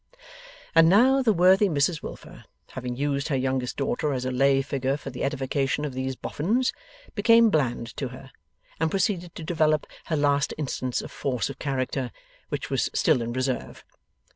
And now the worthy Mrs Wilfer, having used her youngest daughter as a lay figure for the edification of these Boffins, became bland to her, and proceeded to develop her last instance of force of character, which was still in reserve.